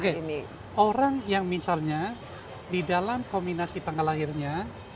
oke orang yang misalnya di dalam kombinasi tanggal lahirnya